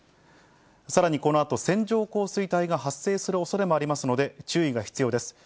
さらにこのあと線状降水帯が発生するおそれもありますので、注意が必要です。